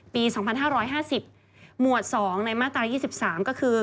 ปี๒๕๕๐หมวด๒ในมาตรา๒๓ก็คือ